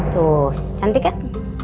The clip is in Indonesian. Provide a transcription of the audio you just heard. tuh cantik kan